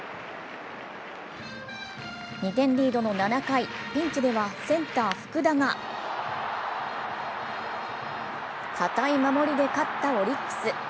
２点リードの７回、ピンチではセンター・福田が堅い守りで勝ったオリックス。